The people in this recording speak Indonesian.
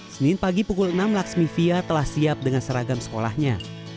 senin pagi pukul enam laksmivia telah siap dengan seragam sekolahnya